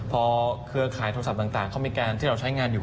พอเครือข่ายโทรศัพท์ต่างเขามีการที่เราใช้งานอยู่